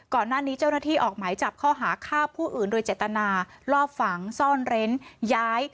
ก่อนหน้านี้เจ้าหน้าที่ออกหมายจับข้อหาฆ่าผู้อื่นโดยเจตนาลอบฝังซ่อนเร้นย้าย